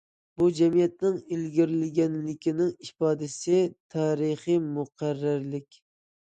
بۇ، جەمئىيەتنىڭ ئىلگىرىلىگەنلىكىنىڭ ئىپادىسى، تارىخىي مۇقەررەرلىك.